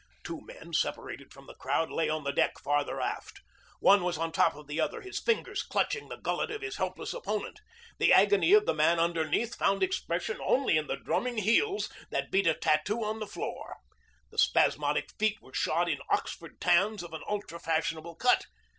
Two men, separated from the crowd, lay on the deck farther aft. One was on top of the other, his fingers clutching the gullet of his helpless opponent. The agony of the man underneath found expression only in the drumming heels that beat a tattoo on the floor. The spasmodic feet were shod in Oxford tans of an ultra fashionable cut.